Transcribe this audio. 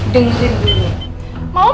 dengarkan dulu ya